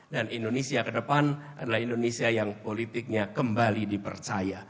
dan indonesia ke depan adalah indonesia yang politiknya kembali dipercaya